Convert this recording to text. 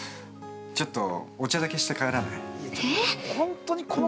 ちょっとお茶だけして帰らない？